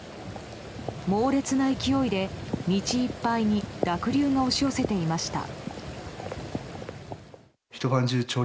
猛烈な勢いで道いっぱいに濁流が押し寄せてきました。